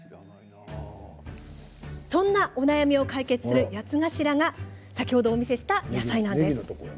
そんなお悩みを解決する八つ頭が先ほどお見せした野菜です。